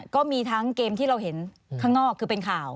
ก็มีทั้งเกมที่เราเห็นข้างนอกคือเป็นข่าว